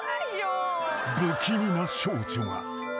［不気味な少女が］